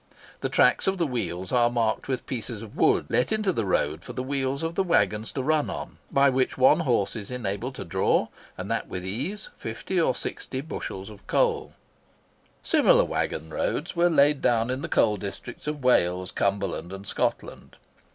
The tracks of the wheels are marked with pieces of wood let into the road for the wheels of the waggons to run on, by which one horse is enabled to draw, and that with ease, fifty or sixty bushels of coals." Similar waggon roads were laid down in the coal districts of Wales, Cumberland, and Scotland.